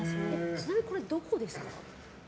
ちなみに、これどこですか。